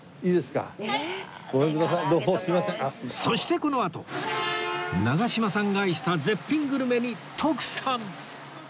そしてこのあと長嶋さんが愛した絶品グルメに徳さん